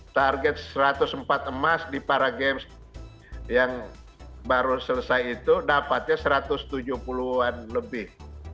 target satu ratus empat emas di para games yang baru selesai itu dapatnya satu ratus tujuh puluh an lebih